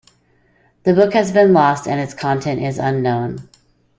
The book has been lost and its content is unknown.